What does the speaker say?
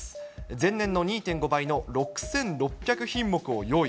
前年の２．５倍の６６００品目を用意。